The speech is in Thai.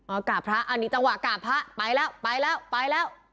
เอากราบพระอันนี้จังหวะกราบพระไปแล้วไปแล้วไปแล้ว